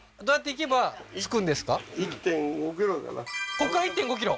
ここから１．５ｋｍ？